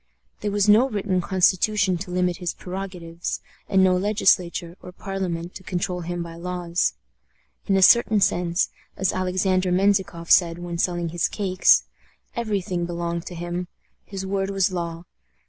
There was no written constitution to limit his prerogatives, and no Legislature or Parliament to control him by laws. In a certain sense, as Alexander Menzikoff said when selling his cakes, every thing belonged to him. His word was law.